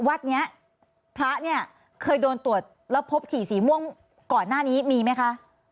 วัดนี้พระเนี่ยเคยโดนตรวจแล้วพบฉี่สีม่วงก่อนหน้านี้มีไหมคะ